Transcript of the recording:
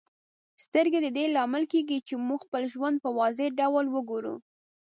سترګې د دې لامل کیږي چې موږ خپل ژوند په واضح ډول وګورو.